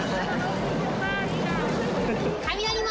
雷門。